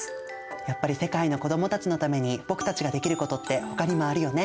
やっぱり世界の子どもたちのために僕たちができることってほかにもあるよね。